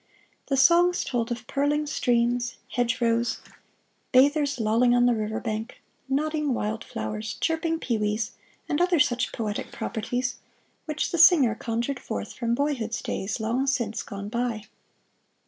The songs told of purling streams, hedgerows, bathers lolling on the river bank, nodding wild flowers, chirping pewees, and other such poetic properties, which the singer conjured forth from boyhood's days, long since gone by.